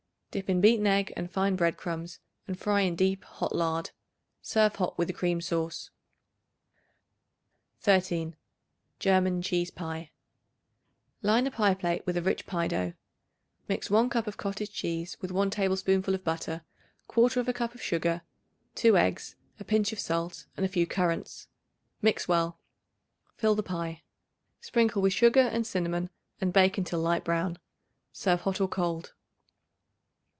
Dip in beaten egg and fine bread crumbs and fry in deep hot lard. Serve hot with a cream sauce. 13. German Cheese Pie. Line a pie plate with a rich pie dough. Mix 1 cup of cottage cheese with 1 tablespoonful of butter, 1/4 cup of sugar, 2 eggs, a pinch of salt and a few currants. Mix well. Fill the pie. Sprinkle with sugar and cinnamon and bake until light brown. Serve hot or cold.